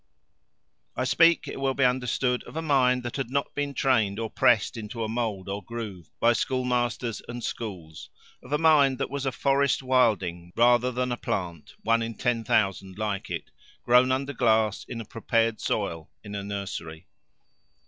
I speak, it will be understood, of a mind that had not been trained or pressed into a mould or groove by schoolmasters and schools of a mind that was a forest wilding rather than a plant, one in ten thousand like it, grown under glass in a prepared soil, in a nursery.